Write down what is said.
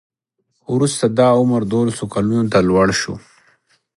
وروسته دا عمر دولسو کلونو ته لوړ شو.